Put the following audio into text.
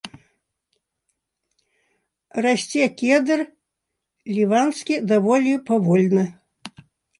Расце кедр ліванскі даволі павольна.